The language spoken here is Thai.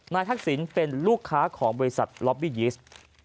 ทักษิณเป็นลูกค้าของบริษัทล็อบบี้ยิสต์